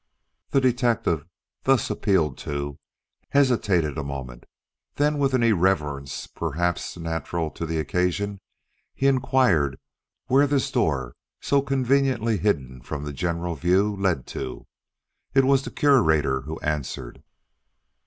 The detective, thus appealed to, hesitated a moment; then with an irrelevance perhaps natural to the occasion, he inquired where this door so conveniently hidden from the general view led to. It was the Curator who answered.